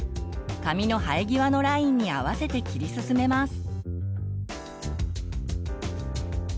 髪の生え際のラインに合わせて切り進めます。